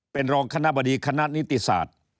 เป็นรองคณะบดีคณะนิติศาสตร์